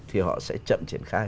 thì họ sẽ chậm triển khai